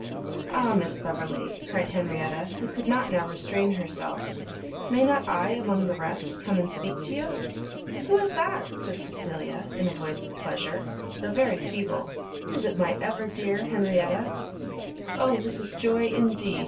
"Ah, Miss Beverley!" cried Henrietta, who could not now restrain herself, "may not I, among the rest, come and speak to you?" "Who is that?" said Cecilia, in a voice of pleasure, though very feeble; "is it my ever dear Henrietta?" "Oh this is joy indeed!"